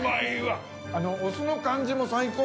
お酢の感じも最高だね！